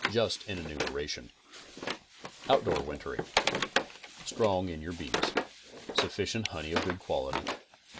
Just an enumeration: Outdoor Wintering: Strong in your bees. Sufficient' honey of good quality.